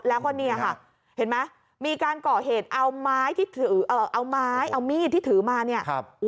แล้วก็เนี่ยค่ะเห็นไหมมีการก่อเหตุเอาไม้ที่ถือเอาไม้เอามีดที่ถือมาเนี่ย